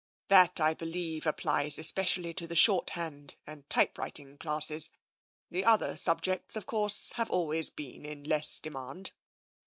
That, I believe, applies especially to the shorthand and typewriting classes. The other subjects, of course, have always been in less demand.